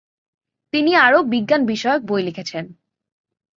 তিনি আরো বিজ্ঞান বিষয়ক বই লিখেছেন।